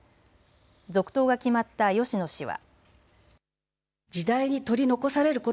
続投が決まった芳野氏は。